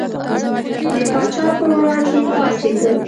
د پاچا پر وړاندې پاڅېدل.